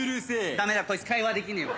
ダメだこいつ会話できねえわ。